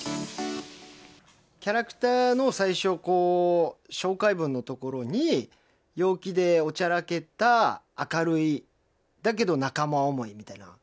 キャラクターの最初こう、紹介文のところに、陽気でおちゃらけた明るい、だけど仲間思いみたいな。